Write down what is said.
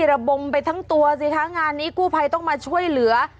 ระบมไปทั้งตัวสิคะงานนี้กู้ภัยต้องมาช่วยเหลือ